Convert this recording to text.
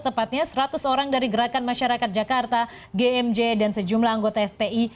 tepatnya seratus orang dari gerakan masyarakat jakarta gmj dan sejumlah anggota fpi